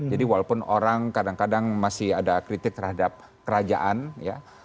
jadi walaupun orang kadang kadang masih ada kritik terhadap kerajaan ya